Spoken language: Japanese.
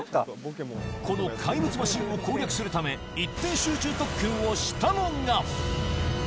この怪物マシンを攻略するため、一点集中特訓をしたのが。